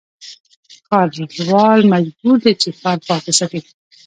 ښاروال مجبور دی چې، ښار پاک وساتي.